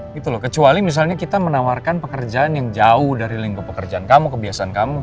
gitu loh kecuali misalnya kita menawarkan pekerjaan yang jauh dari lingkup pekerjaan kamu kebiasaan kamu